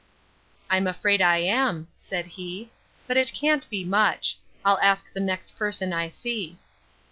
—I'm afraid I am, said he. But it can't be much; I'll ask the first person I see.